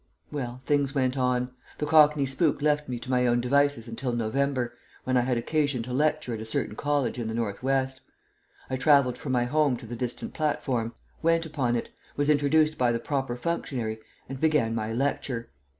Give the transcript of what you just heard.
Well, things went on. The cockney spook left me to my own devices until November, when I had occasion to lecture at a certain college in the Northwest. I travelled from my home to the distant platform, went upon it, was introduced by the proper functionary, and began my lecture.